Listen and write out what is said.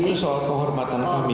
itu soal kehormatan kami